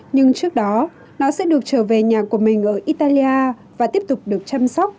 nhưng trước đó nó sẽ được trở về nhà của mình ở italia và tiếp tục được chăm sóc